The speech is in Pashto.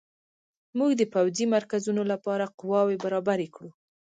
موږ د پوځي مرکزونو لپاره قواوې برابرې کړو.